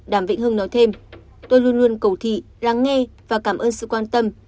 đàm vĩnh hưng nói thêm tôi luôn luôn cầu thị lắng nghe và cảm ơn sự quan tâm